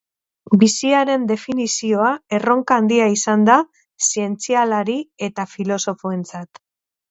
Biziaren definizioa erronka handia izan da zientzialari eta filosofoentzat